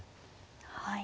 はい。